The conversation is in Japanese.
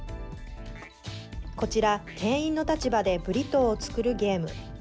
こちら、店員の立場でブリトーを作るゲーム。